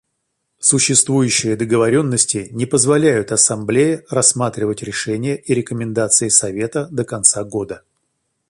Существующие договоренности не позволяют Ассамблее рассматривать решения и рекомендации Совета до конца года.